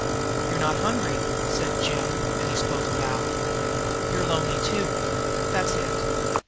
"You're not hungry," said Jim, and he spoke aloud. "YOU'RE lonely, too that's it!"